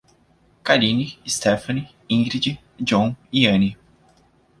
Karine, Estefani, Ingridi, Jhon e Any